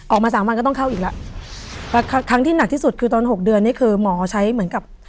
ออกมาสามวันก็ต้องเข้าอีกแล้วครั้งที่หนักที่สุดคือตอนหกเดือนนี่คือหมอใช้เหมือนกับ